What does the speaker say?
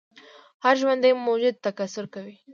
هر ژوندی موجود تکثیر کوي